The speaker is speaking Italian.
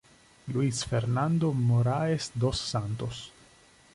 Luiz Fernando Moraes dos Santos